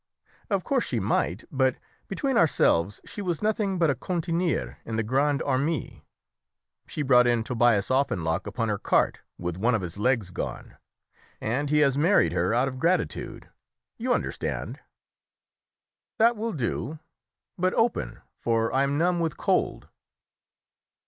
"Of course she might; but, between ourselves, she was nothing but a cantinière in the Grande Armée. She brought in Tobias Offenloch upon her cart, with one of his legs gone, and he has married her out of gratitude. You understand?" "That will do, but open, for I am numb with cold."